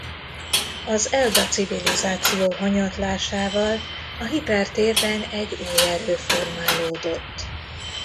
Az elda civilizáció hanyatlásával a hipertérben egy új erő formálódott.